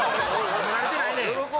褒められてないねん。